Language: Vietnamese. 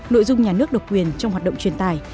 nội dung nhà nước độc quyền trong hoạt động truyền tài